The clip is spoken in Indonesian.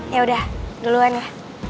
ya udah duluan ya